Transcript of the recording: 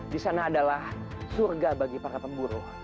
di sana adalah surga bagi para pemburu